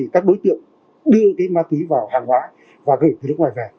các đối tượng đưa ma túy vào hàng hóa và gửi từ nước ngoài về